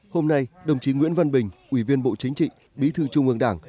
hôm nay đồng chí nguyễn văn bình ủy viên bộ chính trị bí thư trung ương đảng